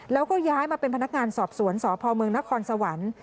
แล้วก็ย้ายมาเป็นพนักงานตกสวนสภมนครสวรรภ์